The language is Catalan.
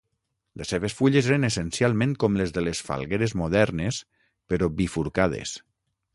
Les seves fulles eren essencialment com les de les falgueres modernes però bifurcades.